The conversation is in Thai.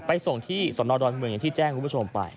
ไปส่งที่สลอดรอนเมืองที่แจ้งคุณผู้ชมไป